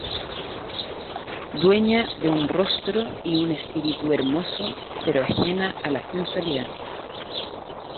Dueña de un rostro y un espíritu hermoso, pero ajena a la sensualidad.